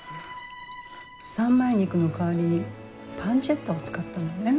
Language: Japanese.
三枚肉の代わりにパンチェッタを使ったのね。